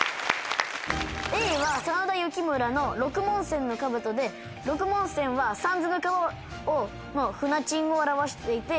Ａは真田幸村の六文銭の兜で六文銭は三途の川の船賃を表していて。